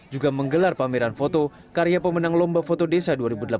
juga menggelar pameran foto karya pemenang lomba foto desa dua ribu delapan belas